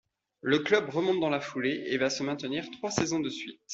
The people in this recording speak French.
Le Club remonte dans la foulée et va se maintenir trois saisons de suite.